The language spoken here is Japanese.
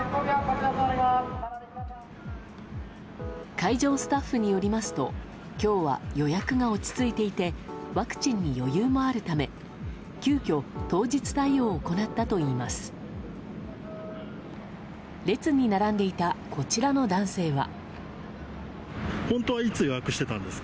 会場スタッフによりますと今日は予約が落ち着いていてワクチンに余裕もあるため急きょ、当日対応を行ったといいます。